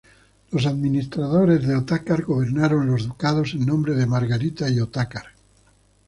Los administradores de Otakar gobernaron los ducados en nombre de Margarita y Otakar.